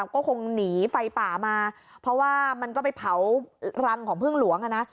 ก็คงหนีไฟป่ามาเพราะว่ามันก็ไปเผารังของพึ่งหลวง